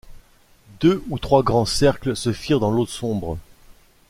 Deux ou trois grands cercles se firent dans l’eau sombre.